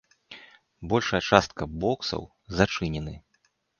Большая частка боксаў зачынены.